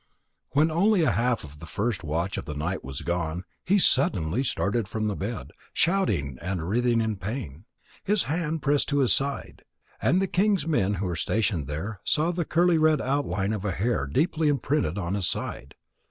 When only a half of the first watch of the night was gone, he suddenly started from the bed, shouting and writhing with pain, his hand pressed to his side. And the king's men who were stationed there saw the curly red outline of a hair deeply imprinted on his side.